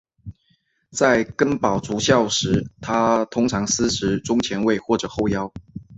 在根宝足校时他通常司职中前卫或者后腰。